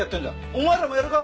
お前らもやるか？